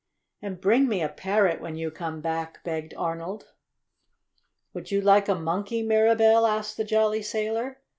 "And bring me a parrot when you come back!" begged Arnold. "Would you like a monkey, Mirabell?" asked the jolly sailor.